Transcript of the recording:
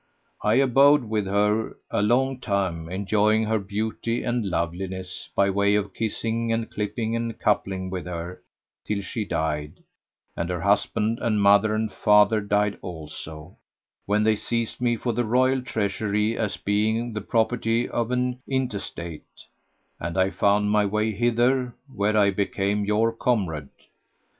I abode with her a long time enjoying her beauty and loveliness by way of kissing and clipping and coupling with her,[FN#95] till she died, and her husband and mother and father died also; when they seized me for the Royal Treasury as being the property of an intestate, and I found my way hither, where I became your comrade.